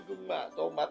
aduh mbak bingung mbak